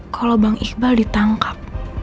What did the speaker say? kalau bang iqbal ditangkap